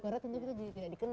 karena tentu kita tidak dikenal